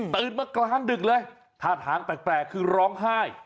มากลางดึกเลยท่าทางแปลกคือร้องไห้